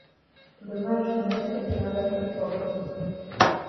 Да знаев што ме чека ќе размислев подобро.